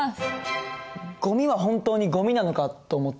「ゴミは本当にゴミなのか」と思って。